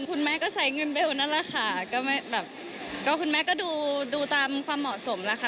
คุณแม่ก็ใช้เงินเบลนั่นแหละค่ะก็ไม่แบบก็คุณแม่ก็ดูดูตามความเหมาะสมแล้วค่ะ